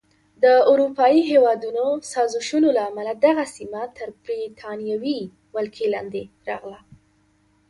د اروپایي هېوادونو سازشونو له امله دغه سیمه تر بریتانوي ولکې لاندې راغله.